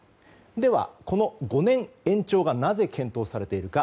では、この５年延長がなぜ検討されているか。